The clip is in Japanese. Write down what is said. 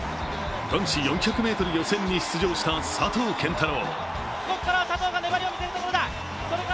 男子４００ｍ予選に出場した佐藤拳太郎。